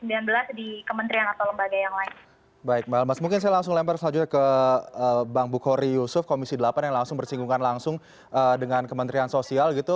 baik mbak almas mungkin saya langsung lempar selanjutnya ke bang bukhari yusuf komisi delapan yang langsung bersinggungan langsung dengan kementerian sosial gitu